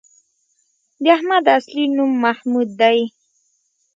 د احمد اصلی نوم محمود دی